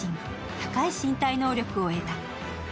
高い身体能力を得た。